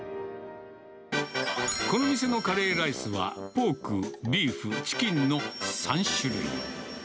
この店のカレーライスは、ポーク、ビーフ、チキンの３種類。